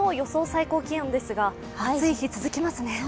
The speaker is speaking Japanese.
最高気温ですが、暑い日が続きますね。